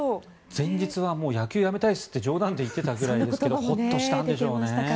前日は野球辞めたいですって冗談で言っていたぐらいですけどほっとしたんでしょうね。